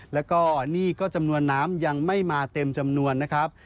แล้วก็นี่ก็จำนวนน้ำยังไม่มาเต็มจำนวนนะครับ